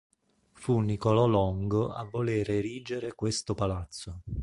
Fu Nicolò Longo a volere erigere questo palazzo.